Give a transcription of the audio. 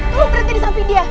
tolong berhenti di samping dia